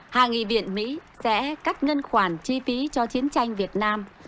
hạ nghị viện mỹ sẽ cắt ngân khoản chi phí cho chiến tranh việt nam